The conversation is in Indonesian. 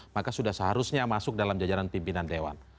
maka sudah seharusnya masuk dalam jajaran pimpinan dewan